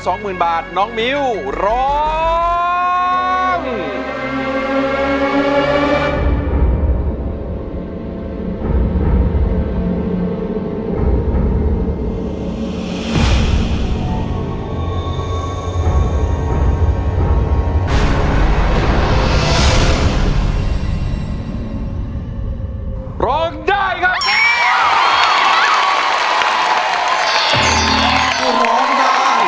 ร้องได้ร้องได้ร้องได้ร้องได้ร้องได้ร้องได้